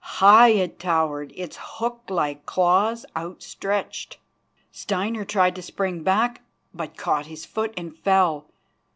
High it towered, its hook like claws outstretched. Steinar tried to spring back, but caught his foot, and fell.